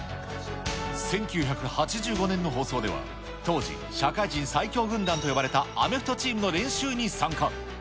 １９８５年の放送では、当時、社会人最強軍団と呼ばれたアメフトチームの練習に参加。